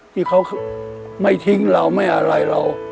ที่เขาไม่ทิ้งเราไม่อะไรเรา